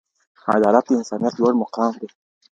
عدالت د انسانيت لوړ مقام دی.